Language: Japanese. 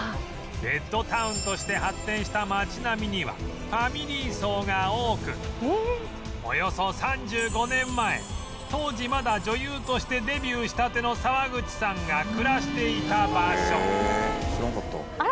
ベッドタウンとして発展した街並みにはファミリー層が多くおよそ３５年前当時まだ女優としてデビューしたての沢口さんが暮らしていた場所